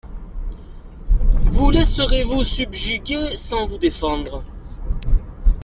Vous laisserez-vous subjuguer sans vous défendre?